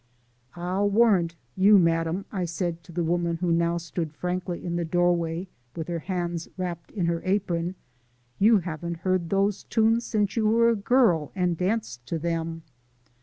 "I'll warrant you, madam," I said to the woman who now stood frankly in the doorway with her hands wrapped in her apron, "you haven't heard those tunes since you were a girl and danced to 'em."